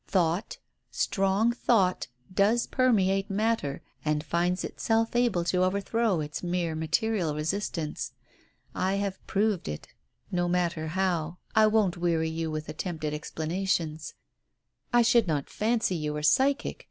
Thought, strong thought, does permeate matter and finds itself able to overthrow its mere material resist ance. I have proved it, no matter how. I won't weary Digitized by Google THE OPERATION 55 you with attempted explanation. I should not fancy you were psychic.